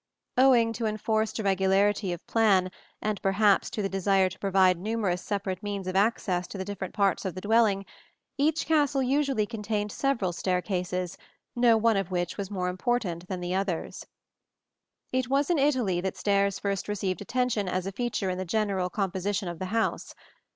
Owing to enforced irregularity of plan, and perhaps to the desire to provide numerous separate means of access to the different parts of the dwelling, each castle usually contained several staircases, no one of which was more important than the others. It was in Italy that stairs first received attention as a feature in the general composition of the house.